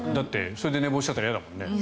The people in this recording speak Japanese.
それで寝坊しちゃったら嫌だもんね。